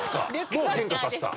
もう変化させた？